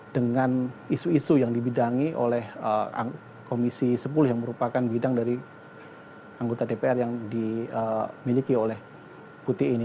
dengan isu isu yang dibidangi oleh komisi sepuluh yang merupakan bidang dari anggota dpr yang dimiliki oleh putih ini